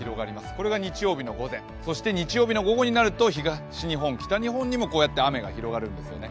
これが日曜日の午前、そして日曜日午後になると東日本、北日本にもこうやって雨が広がるんですよね。